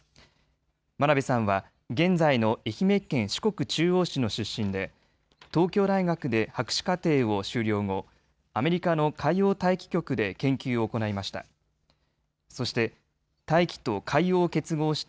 真鍋さんは現在の愛媛県四国中央市の出身で東京大学で博士課程を修了後、アメリカの海洋大気局で研究を行いました。